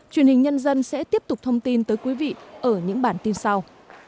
truyền hình nhân dân sẽ tiếp tục thông tin tới quý vị ở những bản tin sau